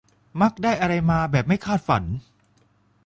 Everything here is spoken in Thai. มักได้อะไรมาแบบไม่คาดฝัน